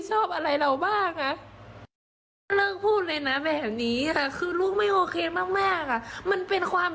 ต้องกลับไปใหม่อีกอ่ะนี่น้องเขาก็ให้เราดูคลิปเสียงนะครับ